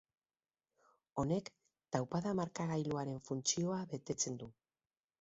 Honek taupada-markagailuaren funtzioa betetzen du.